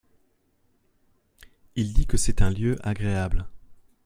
Il dit que c'est ul lieu agréable.